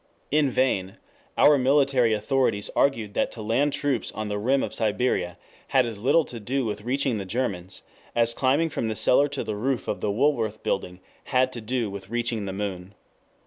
In vain our military authorities argued that to land troops on the rim of Siberia had as little to do with reaching the Germans, as climbing from the cellar to the roof of the Woolworth building had to do with reaching the moon.